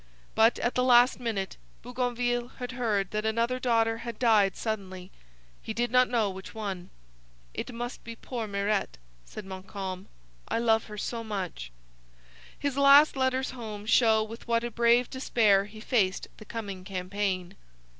But, at the last minute, Bougainville had heard that another daughter had died suddenly; he did not know which one. 'It must be poor Mirete,' said Montcalm, 'I love her so much.' His last letters home show with what a brave despair he faced the coming campaign.